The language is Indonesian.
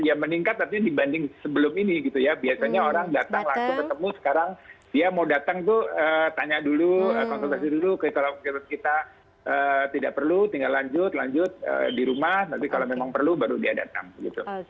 ya meningkat artinya dibanding sebelum ini gitu ya biasanya orang datang langsung ketemu sekarang dia mau datang tuh tanya dulu konsultasi dulu kita tidak perlu tinggal lanjut lanjut di rumah tapi kalau memang perlu baru dia datang gitu